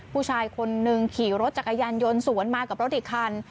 ผู้ชายคนนึงขี่รถจักรยานยนต์สวนมากับรถอีกคัน